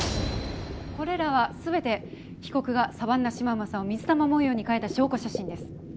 これらは全て被告がサバンナシマウマさんを水玉模様に変えた証拠写真です。